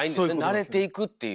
慣れていくっていう。